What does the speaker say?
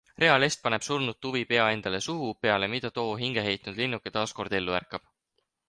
Rea Lest paneb surnud tuvi pea endale suhu, peale mida too hingeheitnud linnuke taaskord ellu ärkab.